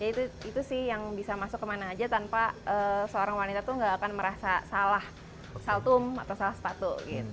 jadi itu sih yang bisa masuk kemana saja tanpa seorang wanita itu tidak akan merasa salah saltum atau salah sepatu